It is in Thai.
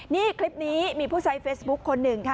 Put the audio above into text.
นี่คลิปนี้มีผู้ใช้เฟซบุ๊คคนหนึ่งค่ะ